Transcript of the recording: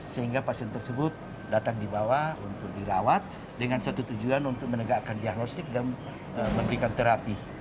sehingga pasien tersebut datang di bawah untuk dirawat dengan satu tujuan untuk menegakkan diagnostik dan memberikan terapi